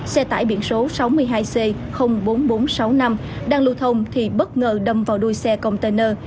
xe tải biển số sáu mươi hai c bốn nghìn bốn trăm sáu mươi năm đang lưu thông thì bất ngờ đâm vào đuôi xe container